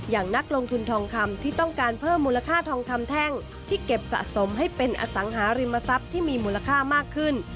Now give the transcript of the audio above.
นักลงทุนทองคำที่ต้องการเพิ่มมูลค่าทองคำแท่งที่เก็บสะสมให้เป็นอสังหาริมทรัพย์ที่มีมูลค่ามากขึ้น